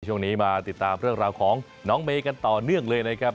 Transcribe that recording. ช่วงนี้มาติดตามเรื่องราวของน้องเมย์กันต่อเนื่องเลยนะครับ